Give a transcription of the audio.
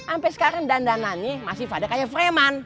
sampai sekarang dandanannya masih pada kayak freman